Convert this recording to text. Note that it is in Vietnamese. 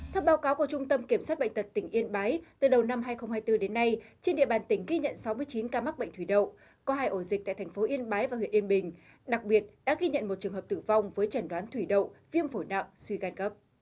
theo báo cáo của trung tâm kiểm soát bệnh tật tỉnh yên bái từ đầu năm hai nghìn hai mươi bốn đến nay trên địa bàn tỉnh ghi nhận sáu mươi chín ca mắc bệnh thủy đậu có hai ổ dịch tại thành phố yên bái và huyện yên bình đặc biệt đã ghi nhận một trường hợp tử vong với chẩn đoán thủy đậu viêm phổi nặng suy gan cấp